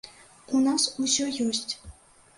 У нас усё ёсць.